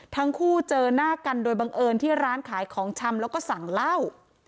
ทั้งคู่เจอหน้ากันโดยบังเอิญที่ร้านขายของชำแล้วก็สั่งเหล้า